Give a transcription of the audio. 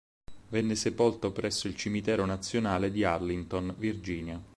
Venne sepolto presso il Cimitero nazionale di Arlington, Virginia.